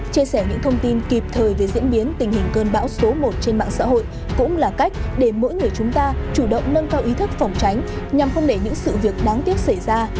chia sẻ những thông tin kịp thời về diễn biến tình hình cơn bão số một trên mạng xã hội cũng là cách để mỗi người chúng ta chủ động nâng cao ý thức phòng tránh nhằm không để những sự việc đáng tiếc xảy ra